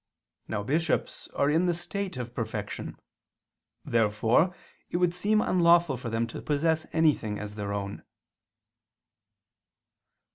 Now bishops are in the state of perfection. Therefore it would seem unlawful for them to possess anything as their own.